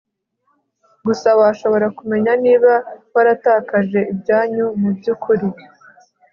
gusa washobora kumenya niba waratakaje ibyanyu mubyukuri